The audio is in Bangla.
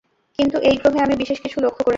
কিন্তু এই গ্রহে আমি বিশেষ কিছু লক্ষ্য করেছি।